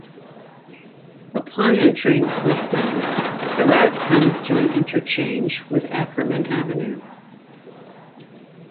Upon entering Clifton, the route comes to an interchange with Ackerman Avenue.